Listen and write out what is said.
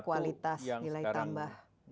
kekualitas nilai tambahan